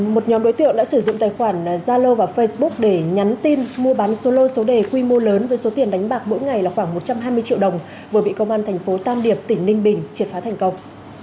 một nhóm đối tượng đã sử dụng tài khoản zalo và facebook để nhắn tin mua bán số lô số đề quy mô lớn với số tiền đánh bạc mỗi ngày là khoảng một trăm hai mươi triệu đồng vừa bị công an thành phố tam điệp tỉnh ninh bình triệt phá thành công